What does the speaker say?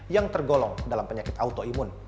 yang tergolong dalam penyakit autoimun